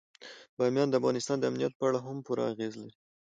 بامیان د افغانستان د امنیت په اړه هم پوره اغېز لري.